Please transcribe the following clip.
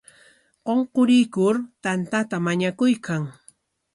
Qunqurikuykur tantata mañakuykan.